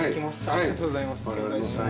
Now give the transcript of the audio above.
ありがとうございます。